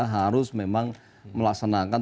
harus memang melaksanakan